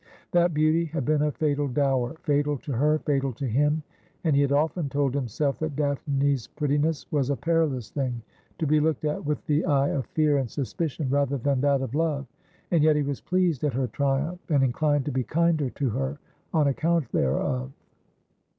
That beauty had been a fatal dower — fatal to her, fatal to him — and he had often told himself that Daphne's prettiness was a perilous thing ; to be looked at with the eye of fear and suspicion rather than 238 Asphodel. that of love. And yet he was pleased at her triumph, and inclined to be kinder to her on account thereof.